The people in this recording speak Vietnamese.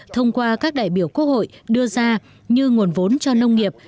thông qua các đại biểu quốc hội đưa ra như nguồn vốn cho nông nghiệp